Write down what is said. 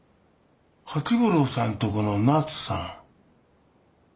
八五郎さんとこのなつさん。